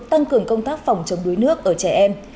tăng cường công tác phòng chống đuối nước ở trẻ em